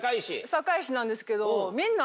堺市なんですけど。